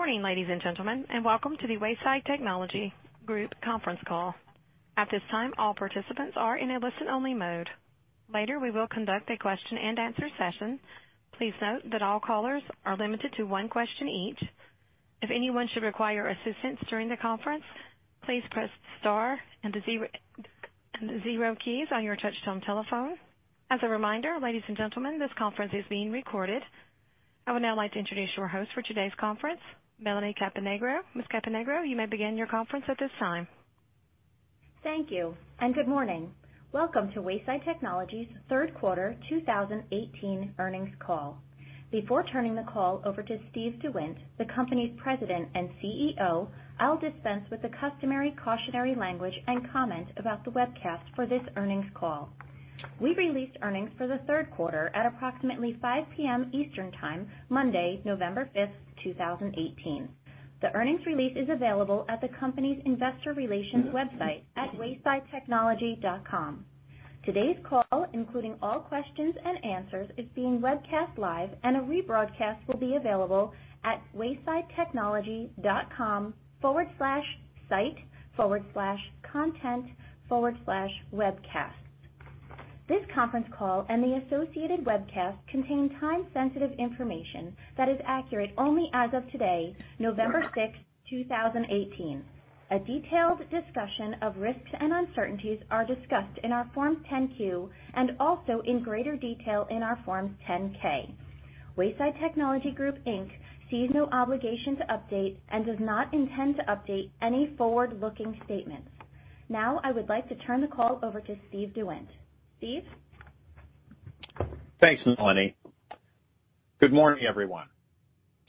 Good morning, ladies and gentlemen. Welcome to the Wayside Technology Group conference call. At this time, all participants are in a listen-only mode. Later, we will conduct a question and answer session. Please note that all callers are limited to one question each. If anyone should require assistance during the conference, please press star and the zero keys on your touch-tone telephone. As a reminder, ladies and gentlemen, this conference is being recorded. I would now like to introduce your host for today's conference, Melanie Caponigro. Ms. Caponigro, you may begin your conference at this time. Thank you. Good morning. Welcome to Wayside Technology's third quarter 2018 earnings call. Before turning the call over to Steve DeWindt, the company's president and CEO, I'll dispense with the customary cautionary language and comment about the webcast for this earnings call. We released earnings for the third quarter at approximately 5:00 P.M. Eastern Time, Monday, November fifth, 2018. The earnings release is available at the company's investor relations website at waysidetechnology.com. Today's call, including all questions and answers, is being webcast live and a rebroadcast will be available at waysidetechnology.com/site/content/webcasts. This conference call and the associated webcast contain time-sensitive information that is accurate only as of today, November sixth, 2018. A detailed discussion of risks and uncertainties are discussed in our Form 10-Q and also in greater detail in our Form 10-K. Wayside Technology Group, Inc. sees no obligation to update, does not intend to update, any forward-looking statements. I would like to turn the call over to Steve DeWindt. Steve? Thanks, Melanie. Good morning, everyone.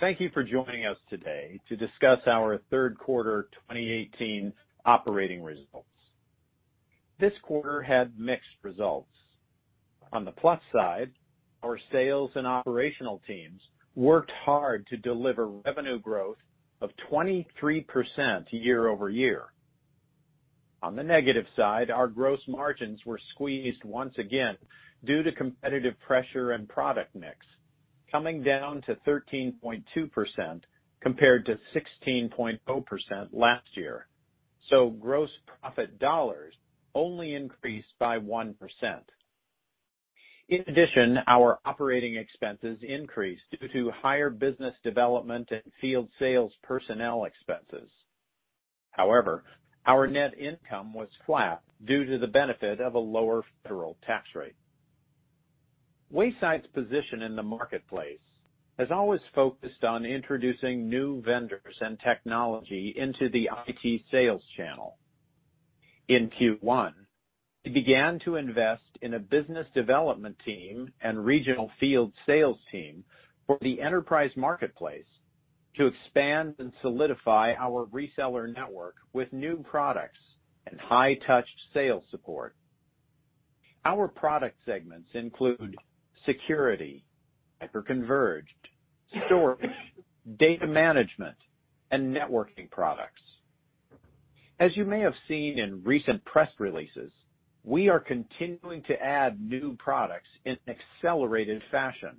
Thank you for joining us today to discuss our third quarter 2018 operating results. This quarter had mixed results. On the plus side, our sales and operational teams worked hard to deliver revenue growth of 23% year-over-year. On the negative side, our gross margins were squeezed once again due to competitive pressure and product mix, coming down to 13.2% compared to 16.0% last year. Gross profit dollars only increased by 1%. In addition, our operating expenses increased due to higher business development and field sales personnel expenses. Our net income was flat due to the benefit of a lower federal tax rate. Wayside's position in the marketplace has always focused on introducing new vendors and technology into the IT sales channel. In Q1, we began to invest in a business development team and regional field sales team for the enterprise marketplace to expand and solidify our reseller network with new products and high-touch sales support. Our product segments include security, hyper-converged storage, data management, and networking products. As you may have seen in recent press releases, we are continuing to add new products in accelerated fashion,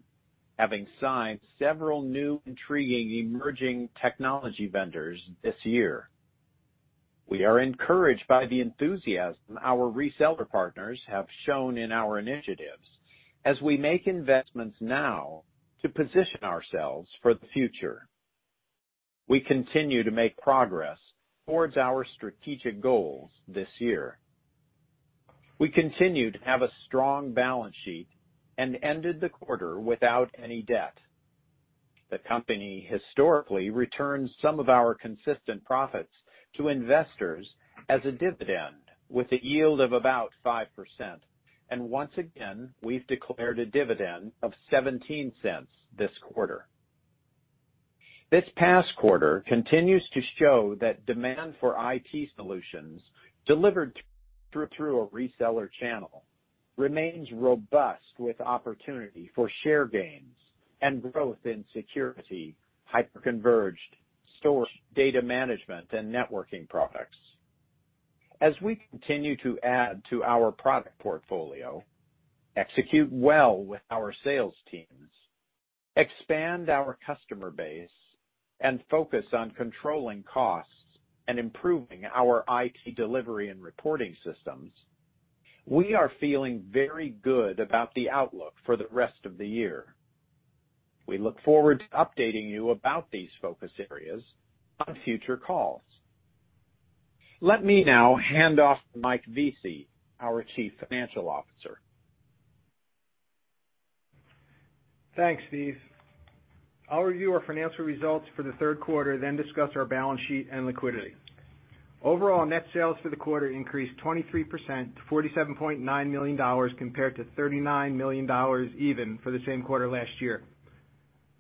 having signed several new intriguing emerging technology vendors this year. We are encouraged by the enthusiasm our reseller partners have shown in our initiatives as we make investments now to position ourselves for the future. We continue to make progress towards our strategic goals this year. We continue to have a strong balance sheet and ended the quarter without any debt. The company historically returns some of our consistent profits to investors as a dividend with a yield of about 5%. Once again, we've declared a dividend of $0.17 this quarter. This past quarter continues to show that demand for IT solutions delivered through a reseller channel remains robust with opportunity for share gains and growth in security, hyper-converged storage, data management, and networking products. As we continue to add to our product portfolio, execute well with our sales teams, expand our customer base, and focus on controlling costs and improving our IT delivery and reporting systems, we are feeling very good about the outlook for the rest of the year. We look forward to updating you about these focus areas on future calls. Let me now hand off to Mike Vesey, our Chief Financial Officer. Thanks, Steve. I'll review our financial results for the third quarter, then discuss our balance sheet and liquidity. Overall net sales for the quarter increased 23% to $47.9 million compared to $39 million even for the same quarter last year.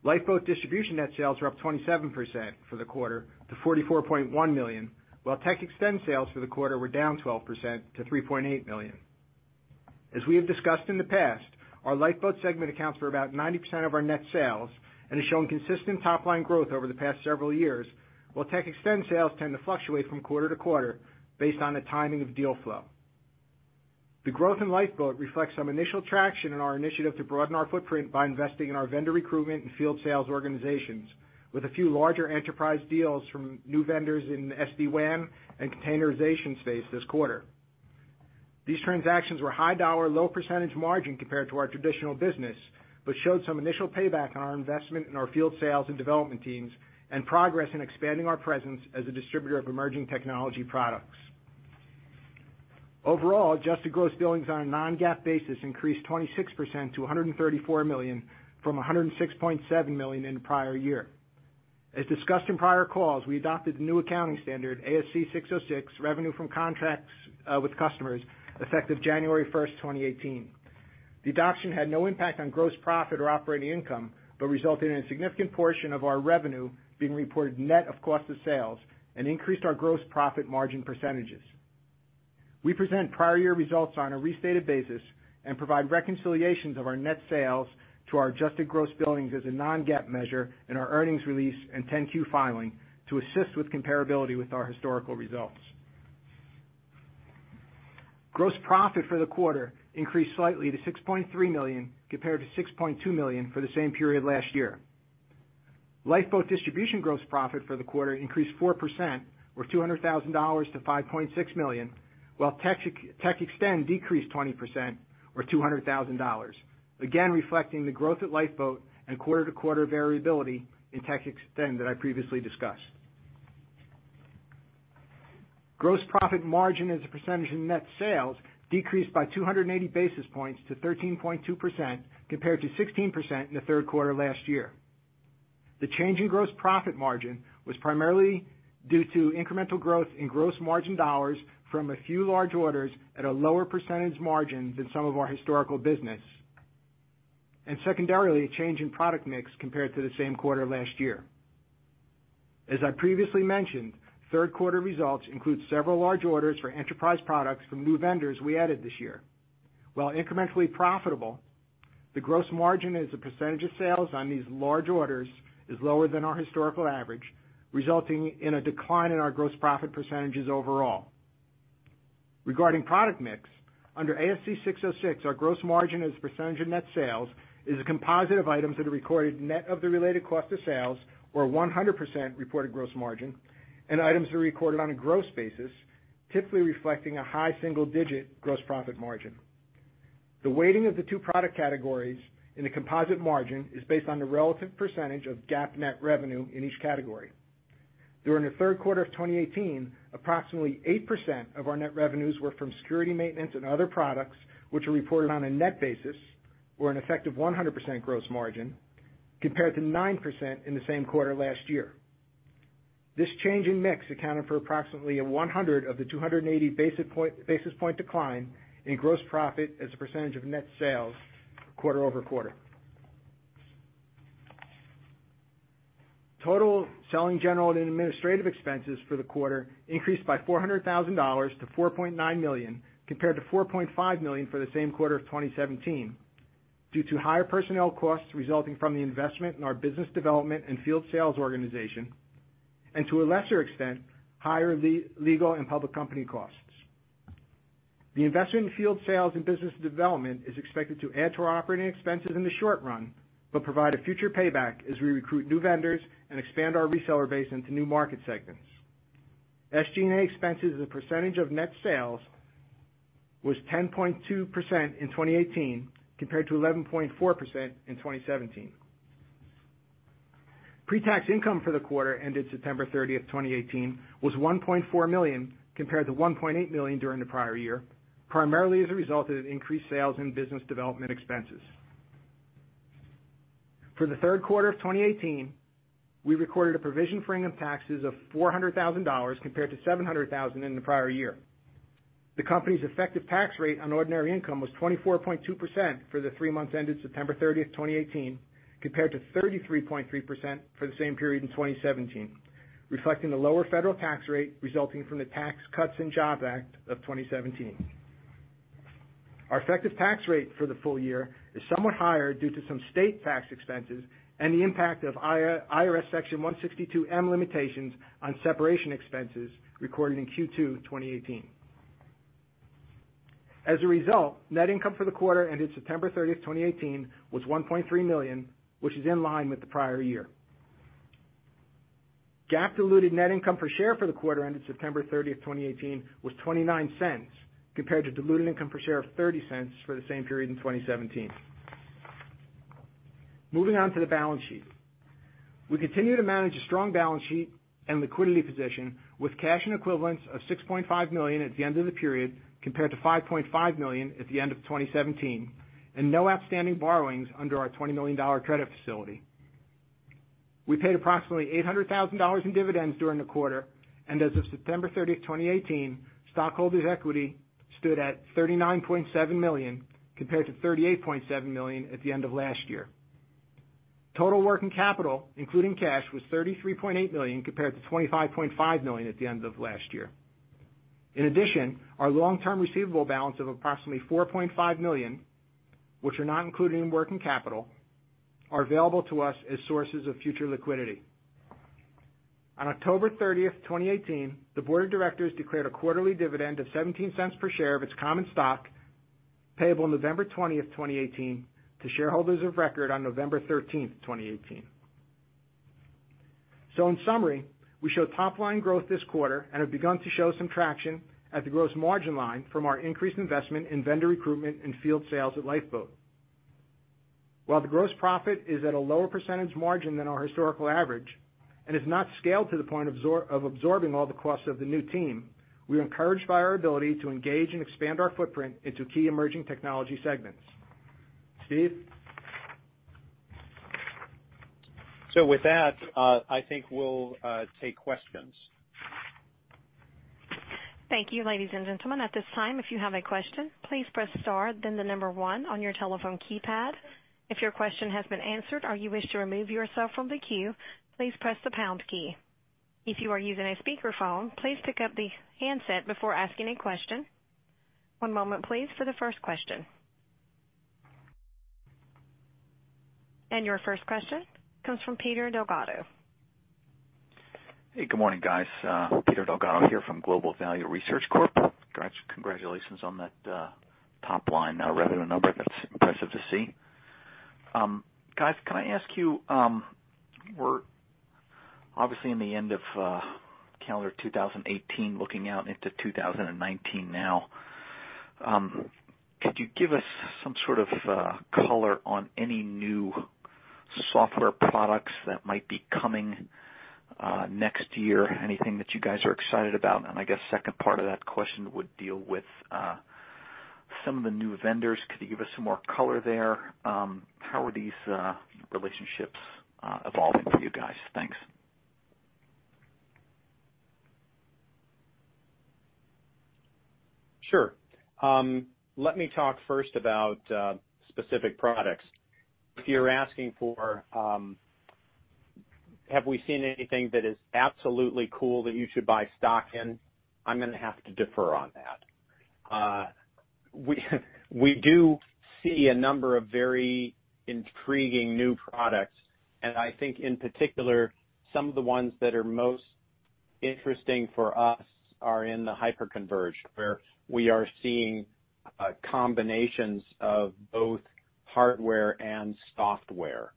Lifeboat Distribution net sales were up 27% for the quarter to $44.1 million, while TechXtend sales for the quarter were down 12% to $3.8 million. As we have discussed in the past, our Lifeboat segment accounts for about 90% of our net sales and has shown consistent top-line growth over the past several years, while TechXtend sales tend to fluctuate from quarter to quarter based on the timing of deal flow. The growth in Lifeboat reflects some initial traction in our initiative to broaden our footprint by investing in our vendor recruitment and field sales organizations, with a few larger enterprise deals from new vendors in the SD-WAN and containerization space this quarter. These transactions were high dollar, low percentage margin compared to our traditional business, but showed some initial payback on our investment in our field sales and development teams and progress in expanding our presence as a distributor of emerging technology products. Overall, adjusted gross billings on a non-GAAP basis increased 26% to $134 million from $106.7 million in the prior year. As discussed in prior calls, we adopted the new accounting standard, ASC 606, revenue from contracts with customers, effective January 1st, 2018. The adoption had no impact on gross profit or operating income, but resulted in a significant portion of our revenue being reported net of cost of sales and increased our gross profit margin %. We present prior year results on a restated basis and provide reconciliations of our net sales to our adjusted gross billings as a non-GAAP measure in our earnings release and Form 10-Q filing to assist with comparability with our historical results. Gross profit for the quarter increased slightly to $6.3 million compared to $6.2 million for the same period last year. Lifeboat Distribution gross profit for the quarter increased 4%, or $200,000 to $5.6 million, while TechXtend decreased 20%, or $200,000, again reflecting the growth at Lifeboat and quarter-over-quarter variability in TechXtend that I previously discussed. Gross profit margin as a % of net sales decreased by 280 basis points to 13.2% compared to 16% in the third quarter last year. The change in gross profit margin was primarily due to incremental growth in gross margin dollars from a few large orders at a lower % margin than some of our historical business, and secondarily, a change in product mix compared to the same quarter last year. As I previously mentioned, third quarter results include several large orders for enterprise products from new vendors we added this year. While incrementally profitable, the gross margin as a % of sales on these large orders is lower than our historical average, resulting in a decline in our gross profit % overall. Regarding product mix, under ASC 606, our gross margin as a % of net sales is a composite of items that are recorded net of the related cost of sales, or 100% reported gross margin, and items are recorded on a gross basis, typically reflecting a high single-digit gross profit margin. The weighting of the two product categories in the composite margin is based on the relative % of GAAP net revenue in each category. During the third quarter of 2018, approximately 8% of our net revenues were from security maintenance and other products, which are reported on a net basis or an effective 100% gross margin, compared to 9% in the same quarter last year. This change in mix accounted for approximately 100 of the 280 basis point decline in gross profit as a % of net sales quarter-over-quarter. Total Selling, General & Administrative expenses for the quarter increased by $400,000 to $4.9 million compared to $4.5 million for the same quarter of 2017 due to higher personnel costs resulting from the investment in our business development and field sales organization, and to a lesser extent, higher legal and public company costs. The investment in field sales and business development is expected to add to our operating expenses in the short run, but provide a future payback as we recruit new vendors and expand our reseller base into new market segments. SG&A expenses as a % of net sales was 10.2% in 2018 compared to 11.4% in 2017. Pre-tax income for the quarter ended September 30th, 2018, was $1.4 million compared to $1.8 million during the prior year, primarily as a result of increased sales and business development expenses. For the third quarter of 2018, we recorded a provision for income taxes of $400,000 compared to $700,000 in the prior year. The company's effective tax rate on ordinary income was 24.2% for the three months ended September 30th, 2018, compared to 33.3% for the same period in 2017, reflecting the lower federal tax rate resulting from the Tax Cuts and Jobs Act of 2017. Our effective tax rate for the full year is somewhat higher due to some state tax expenses and the impact of IRS Section 162m limitations on separation expenses recorded in Q2 2018. As a result, net income for the quarter ended September 30th, 2018, was $1.3 million, which is in line with the prior year. GAAP diluted net income per share for the quarter ended September 30th, 2018, was $0.29 compared to diluted income per share of $0.30 for the same period in 2017. Moving on to the balance sheet. We continue to manage a strong balance sheet and liquidity position with cash and equivalents of $6.5 million at the end of the period compared to $5.5 million at the end of 2017, and no outstanding borrowings under our $20 million credit facility. We paid approximately $800,000 in dividends during the quarter, and as of September 30th, 2018, stockholders' equity stood at $39.7 million compared to $38.7 million at the end of last year. Total working capital, including cash, was $33.8 million compared to $25.5 million at the end of last year. In addition, our long-term receivable balance of approximately $4.5 million, which are not included in working capital, are available to us as sources of future liquidity. On October 30th, 2018, the board of directors declared a quarterly dividend of $0.17 per share of its common stock, payable November 20th, 2018, to shareholders of record on November 13th, 2018. In summary, we showed top line growth this quarter and have begun to show some traction at the gross margin line from our increased investment in vendor recruitment and field sales at Lifeboat. While the gross profit is at a lower percentage margin than our historical average and is not scaled to the point of absorbing all the costs of the new team, we're encouraged by our ability to engage and expand our footprint into key emerging technology segments. Steve? With that, I think we'll take questions. Thank you, ladies and gentlemen. At this time, if you have a question, please press star, then the number one on your telephone keypad. If your question has been answered or you wish to remove yourself from the queue, please press the pound key. If you are using a speakerphone, please pick up the handset before asking a question. One moment, please, for the first question. Your first question comes from Peter Delgado. Hey, good morning, guys. Peter Delgado here from Global Value Investment Corp. Congratulations on that top line revenue number. That's impressive to see. Guys, can I ask you, we're obviously in the end of calendar 2018, looking out into 2019 now. Could you give us some sort of color on any new software products that might be coming next year? Anything that you guys are excited about? I guess second part of that question would deal with some of the new vendors. Could you give us some more color there? How are these relationships evolving for you guys? Thanks. Sure. Let me talk first about specific products. If you're asking for have we seen anything that is absolutely cool that you should buy stock in, I'm going to have to defer on that. We do see a number of very intriguing new products, and I think in particular, some of the ones that are most interesting for us are in the hyper-converged, where we are seeing combinations of both hardware and software.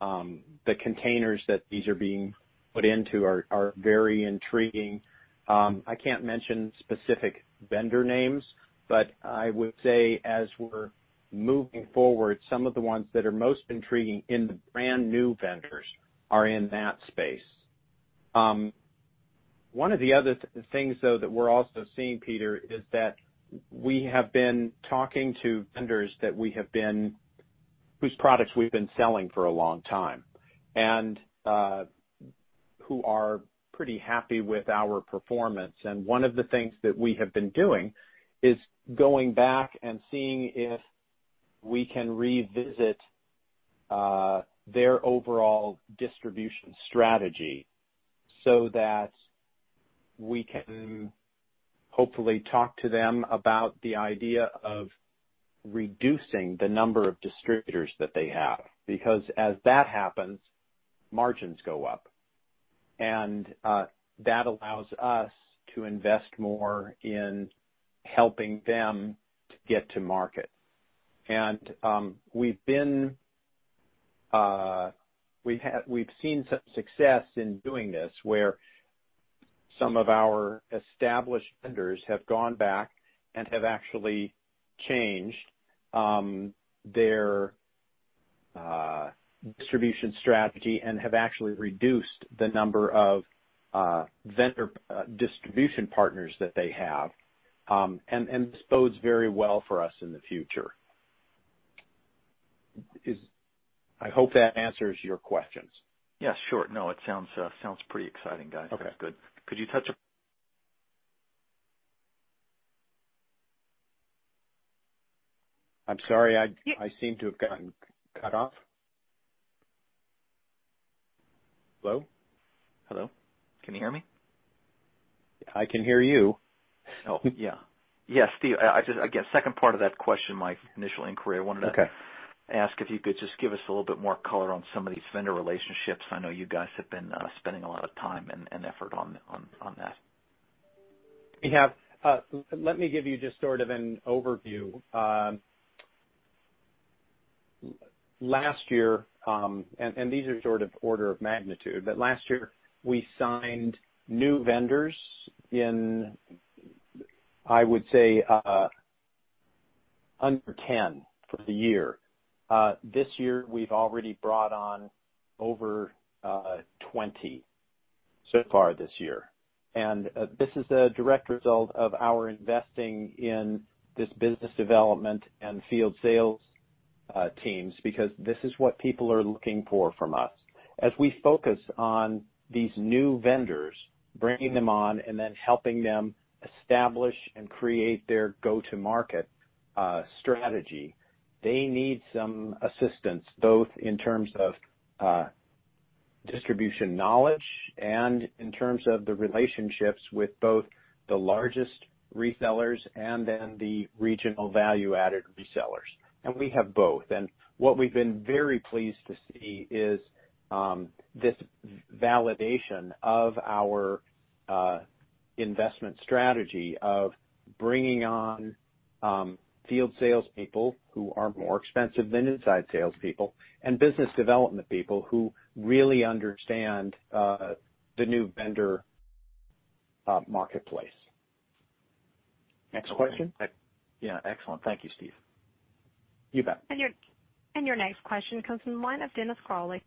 The containers that these are being put into are very intriguing. I can't mention specific vendor names, but I would say as we're moving forward, some of the ones that are most intriguing in the brand-new vendors are in that space. One of the other things, though, that we're also seeing, Peter, is that we have been talking to vendors whose products we've been selling for a long time and who are pretty happy with our performance. One of the things that we have been doing is going back and seeing if we can revisit their overall distribution strategy so that we can hopefully talk to them about the idea of reducing the number of distributors that they have. As that happens, margins go up, and that allows us to invest more in helping them to get to market. We've seen some success in doing this, where some of our established vendors have gone back and have actually changed their distribution strategy and have actually reduced the number of vendor distribution partners that they have. This bodes very well for us in the future. I hope that answers your questions. Yeah, sure. No, it sounds pretty exciting, guys. Okay. That's good. Could you touch? I'm sorry. I seem to have gotten cut off. Hello? Hello? Can you hear me? I can hear you. Yeah. Yeah, Steve, I guess second part of that question, my initial inquiry, Okay I ask if you could just give us a little bit more color on some of these vendor relationships. I know you guys have been spending a lot of time and effort on that. We have. Let me give you just sort of an overview. Last year, these are sort of order of magnitude, but last year we signed new vendors in, I would say, under 10 for the year. This year, we've already brought on over 20 so far this year. This is a direct result of our investing in this business development and field sales teams, because this is what people are looking for from us. As we focus on these new vendors, bringing them on, and then helping them establish and create their go-to-market strategy, they need some assistance, both in terms of distribution knowledge and in terms of the relationships with both the largest resellers and then the regional value-added resellers. We have both. What we've been very pleased to see is this validation of our investment strategy of bringing on field salespeople who are more expensive than inside salespeople and business development people who really understand the new vendor marketplace. Next question? Yeah. Excellent. Thank you, Steve. You bet. Your next question comes from the line of Dennis Crawley.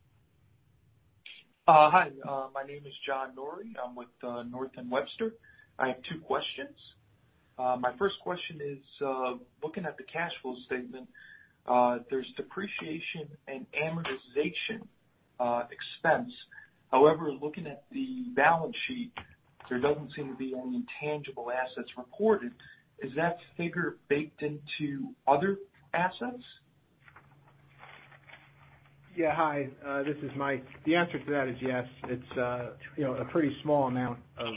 Hi. My name is John Norrie. I'm with Northman Webster. I have two questions. My first question is, looking at the cash flow statement, there's depreciation and amortization expense. However, looking at the balance sheet, there doesn't seem to be any tangible assets recorded. Is that figure baked into other assets? Yeah. Hi. This is Mike. The answer to that is yes. It's a pretty small amount of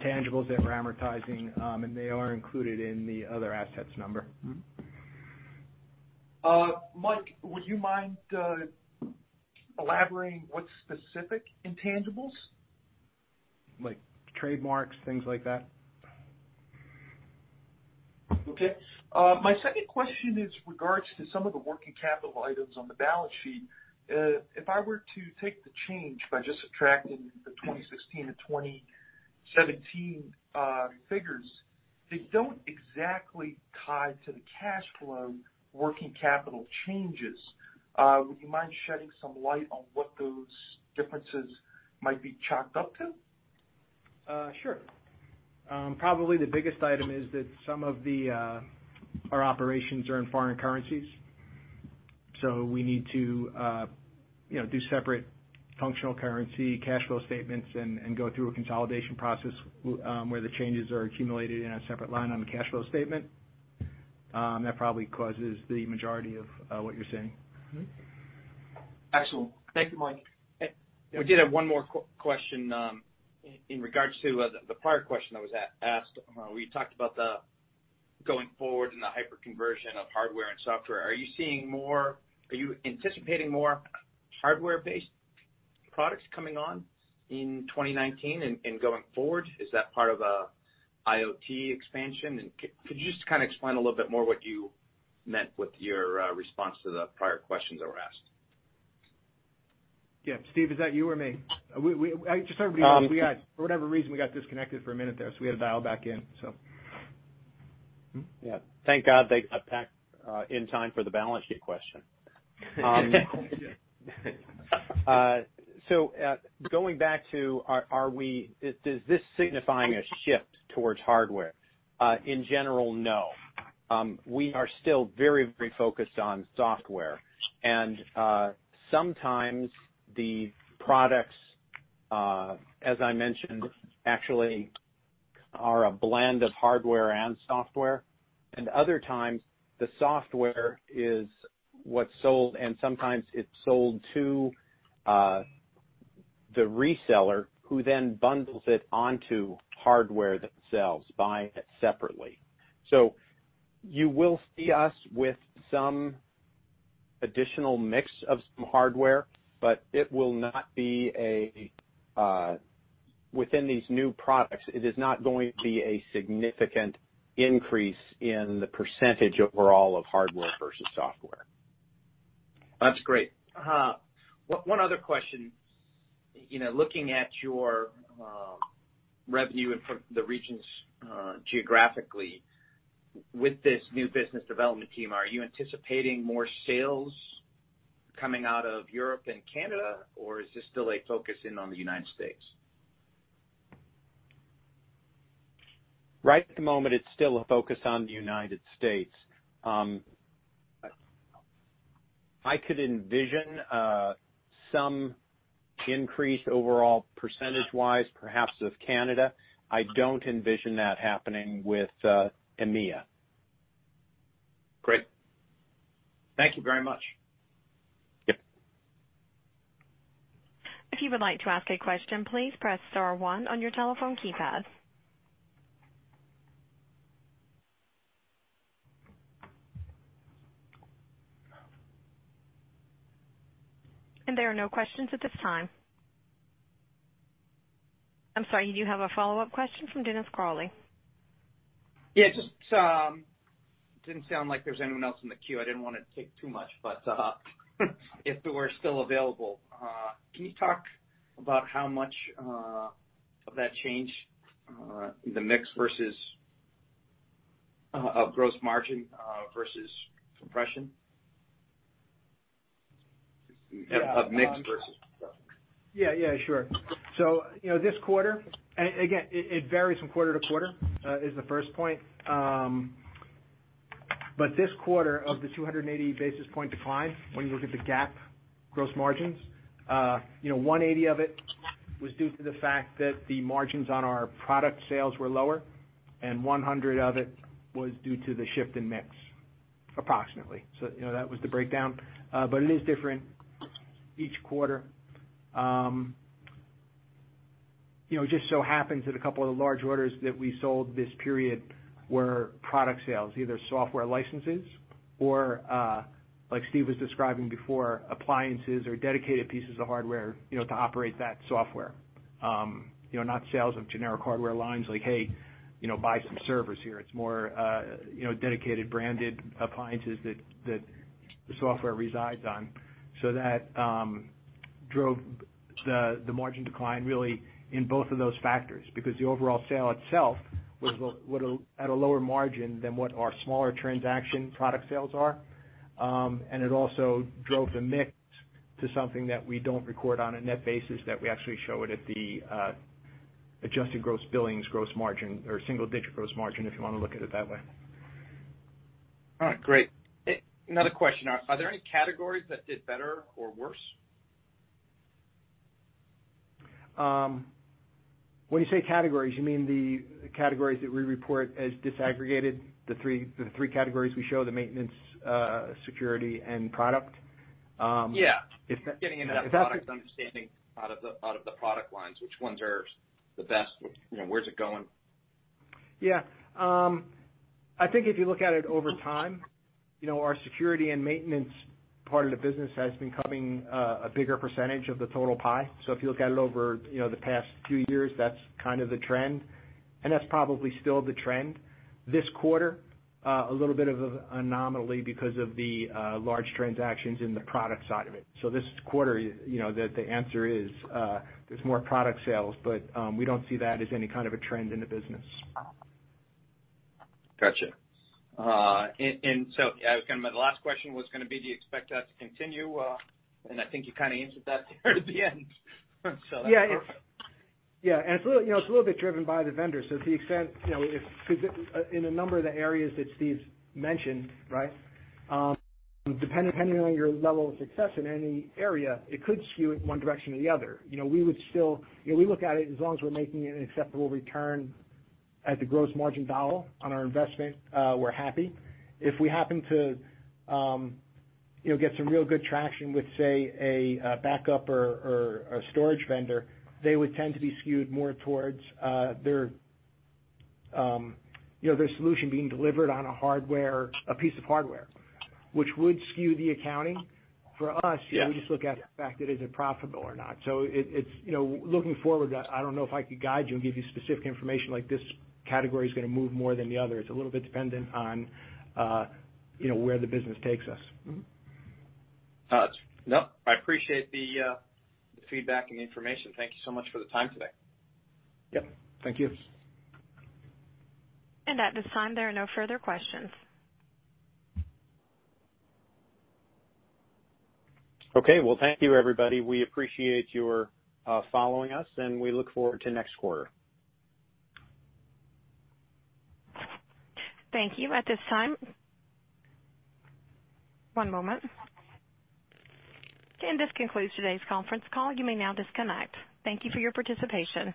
tangibles that we're amortizing, and they are included in the other assets number. Mike, would you mind elaborating what's specific intangibles? Like trademarks, things like that. Okay. My second question is in regards to some of the working capital items on the balance sheet. If I were to take the change by just subtracting the 2016 and 2017 figures, they don't exactly tie to the cash flow working capital changes. Would you mind shedding some light on what those differences might be chalked up to? Sure. Probably the biggest item is that some of our operations are in foreign currencies. We need to do separate functional currency cash flow statements and go through a consolidation process where the changes are accumulated in a separate line on the cash flow statement. That probably causes the majority of what you're seeing. Excellent. Thank you, Mike. We did have one more question in regards to the prior question that was asked. We talked about going forward in the hyper-convergance of hardware and software. Are you anticipating more hardware-based products coming on in 2019 and going forward? Is that part of a IoT expansion? Could you just explain a little bit more what you meant with your response to the prior questions that were asked? Yeah. Steve, is that you or me? For whatever reason, we got disconnected for a minute there, we had to dial back in. Yeah. Thank God they got back in time for the balance sheet question. Going back, does this signify a shift towards hardware? In general, no. We are still very focused on software. Sometimes the products, as I mentioned, actually are a blend of hardware and software. Other times, the software is what's sold, and sometimes it's sold to the reseller who then bundles it onto hardware that sells, buying it separately. You will see us with some additional mix of some hardware. Within these new products, it is not going to be a significant increase in the percentage overall of hardware versus software. That's great. One other question. Looking at your revenue from the regions geographically, with this new business development team, are you anticipating more sales coming out of Europe and Canada, or is this still a focus in on the United States? Right at the moment, it's still a focus on the United States. I could envision some increase overall percentage-wise, perhaps of Canada. I don't envision that happening with EMEA. Great. Thank you very much. Yep. If you would like to ask a question, please press star one on your telephone keypad. There are no questions at this time. I'm sorry. You do have a follow-up question from Dennis Crawley. Yeah. It didn't sound like there's anyone else in the queue. I didn't want to take too much. If you are still available, can you talk about how much of that change in the mix versus gross margin versus compression? Of mix versus compression. Yeah, sure. Again, it varies from quarter to quarter is the first point. This quarter, of the 280 basis point decline, when you look at the GAAP gross margins, 180 of it was due to the fact that the margins on our product sales were lower, and 100 of it was due to the shift in mix, approximately. That was the breakdown. It is different each quarter. It just so happens that a couple of the large orders that we sold this period were product sales, either software licenses Or like Steve was describing before, appliances or dedicated pieces of hardware to operate that software. Not sales of generic hardware lines like, "Hey, buy some servers here." It's more dedicated branded appliances that the software resides on. That drove the margin decline really in both of those factors, because the overall sale itself was at a lower margin than what our smaller transaction product sales are. It also drove the mix to something that we don't record on a net basis, that we actually show it at the adjusted gross billings gross margin, or single-digit gross margin, if you want to look at it that way. All right, great. Another question. Are there any categories that did better or worse? When you say categories, you mean the categories that we report as disaggregated, the three categories we show, the maintenance, security, and product? Yeah. If that. Getting into that product understanding out of the product lines, which ones are the best, where's it going? Yeah. I think if you look at it over time, our security and maintenance part of the business has been becoming a bigger percentage of the total pie. If you look at it over the past few years, that's kind of the trend, and that's probably still the trend. This quarter, a little bit of an anomaly because of the large transactions in the product side of it. This quarter, the answer is, there's more product sales, but we don't see that as any kind of a trend in the business. Got you. My last question was going to be, do you expect that to continue? I think you kind of answered that there at the end. That's perfect. Yeah. It's a little bit driven by the vendors. To the extent, in a number of the areas that Steve mentioned, right? Depending on your level of success in any area, it could skew it one direction or the other. We look at it as long as we're making an acceptable return at the gross margin dollar on our investment, we're happy. If we happen to get some real good traction with, say, a backup or a storage vendor, they would tend to be skewed more towards their solution being delivered on a piece of hardware, which would skew the accounting. For us- Yeah We just look at the fact that is it profitable or not. Looking forward, I don't know if I could guide you and give you specific information like this category is going to move more than the other. It's a little bit dependent on where the business takes us. No, I appreciate the feedback and the information. Thank you so much for the time today. Yep. Thank you. At this time, there are no further questions. Okay. Well, thank you everybody. We appreciate your following us, and we look forward to next quarter. Thank you. At this time. One moment. This concludes today's conference call. You may now disconnect. Thank you for your participation.